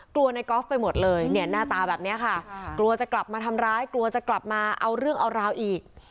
ในกอล์ฟไปหมดเลยเนี่ยหน้าตาแบบนี้ค่ะกลัวจะกลับมาทำร้ายกลัวจะกลับมาเอาเรื่องเอาราวอีก